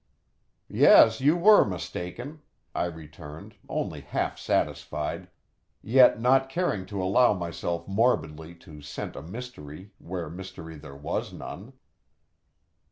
"Yes, you were mistaken," I returned, only half satisfied, yet not caring to allow myself morbidly to scent a mystery where mystery there was none.